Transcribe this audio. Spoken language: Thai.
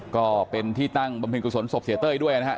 ก็เป็นที่ตั้งบำเพ็ญกุศลศพเสียเต้ยด้วยนะครับ